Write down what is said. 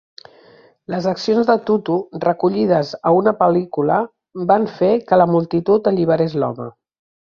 Les accions de Tutu, recollides a una pel·lícula, van fer que la multitud alliberés l'home.